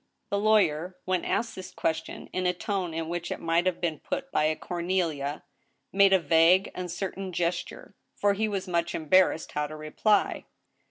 " The lawyer, when asked this question, in a tone in which it might have been put by a Cornelia, made a vague, uncertain gesture — for he was much embarrassed how to reply.